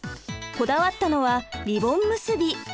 こだわったのはリボン結び。